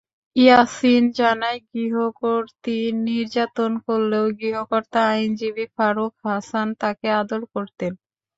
ইয়াসিন জানায়, গৃহকর্ত্রী নির্যাতন করলেও গৃহকর্তা আইনজীবী ফারুক হাসান তাকে আদর করতেন।